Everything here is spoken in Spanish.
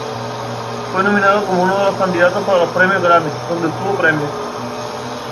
Fue nominado como uno de los candidatos para los premios Grammy, donde obtuvo premios.